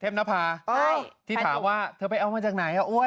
นภาที่ถามว่าเธอไปเอามาจากไหนอ่ะอ้วย